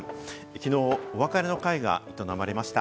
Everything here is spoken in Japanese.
きのう、お別れの会が営まれました。